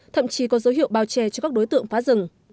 thậm chí có dấu hiệu bao che cho các đối tượng phá rừng